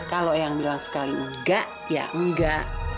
kalau yang bilang sekali enggak ya enggak